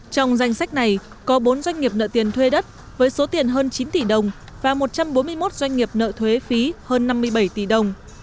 trong danh sách này có bốn doanh nghiệp nợ tiền thuê đất với số tiền hơn chín tỷ đồng và một trăm bốn mươi một doanh nghiệp nợ thuế phí hơn năm mươi bảy tỷ đồng